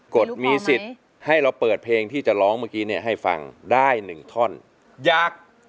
ก็ดมีสิทธิ์ให้เราเปิดเพลงที่จะร้องเมื่อกี้นี้นะครับ